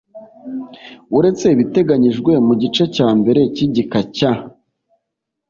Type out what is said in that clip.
Uretse ibiteganyijwe mu gice cya mbere cy'igika cya